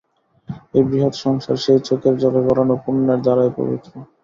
এই বৃহৎ সংসার সেই চোখের জলে গলানো পুণ্যের ধারায় পবিত্র।